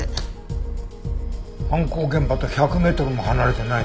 犯行現場と１００メートルも離れてないね。